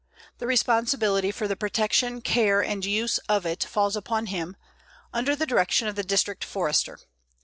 The responsibility for the protection, care, and use of it falls upon him, under the direction of the District Forester.